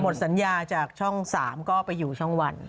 หมดสัญญาจากช่อง๓ก็ไปอยู่ช่องวัน